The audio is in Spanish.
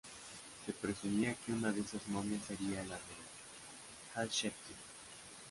Se presumía que una de esas momias sería la de Hatshepsut.